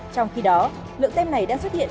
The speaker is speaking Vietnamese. trong khi đó lượng tem này đã xuất hiện